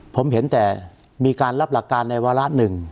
ผมเห็นแต่มีการรับหลักการในวาระหนึ่ง